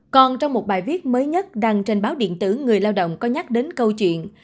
còn trong một bài viết mới nhất đăng trên báo điện tử người lao động có nhắc đến câu chuyện